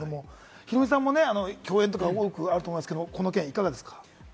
ヒロミさんも共演とか多くあると思いますけれども、この件いかがですか？